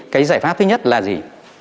cái giải pháp thứ nhất là gì